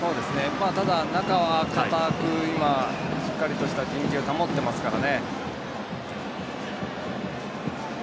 中は堅くしっかりとした陣形を保っていますから。